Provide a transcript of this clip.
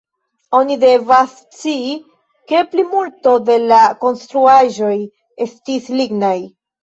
Oni devas scii, ke plimulto de la konstruaĵoj estis lignaj.